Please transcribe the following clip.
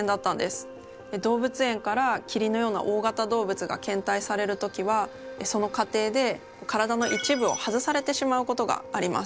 動物園からキリンのような大型動物が献体される時はその過程で体の一部を外されてしまうことがあります。